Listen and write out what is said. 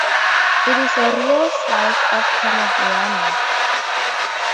It is a real slice of 'Canadiana'.